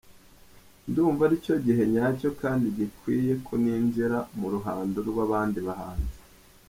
Ndumva ari cyo gihe nyacyo kandi gikwiriye ko nijira mu ruhando rw’abandi bahanzi.